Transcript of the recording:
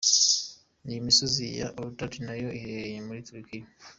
Iyi misozi ya Ararati nayo iherereye muri Turkey.